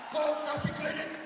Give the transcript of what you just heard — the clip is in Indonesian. kau kasih kredit